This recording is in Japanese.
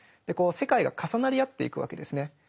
でこう世界が重なりあっていくわけですね。